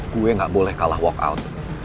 gue gak boleh kalah walkout